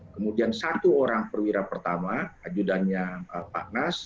kemudian satu orang perwira pertama ajudannya pak nas